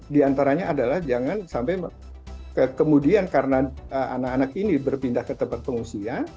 di antaranya adalah jangan sampai kemudian karena anak anak ini berpindah ke tempat pengungsian